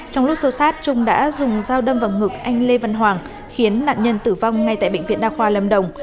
trong lúc xô sát trung đã dùng dao đâm vào ngực anh lê văn hoàng khiến nạn nhân tử vong ngay tại bệnh viện đa khoa lâm đồng